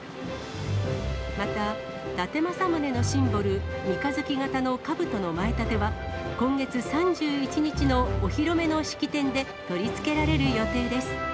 また、伊達政宗のシンボル、三日月型のかぶとの前立は、今月３１日のお披露目の式典で取り付けられる予定です。